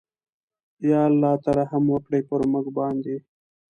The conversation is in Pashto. ېاالله ته رحم وکړې پرموګ باندې